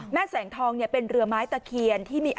แม่แสงทองเนี่ยเป็นเรือไม้ตะเขียน